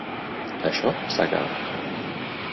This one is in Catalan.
Això s'ha acabat.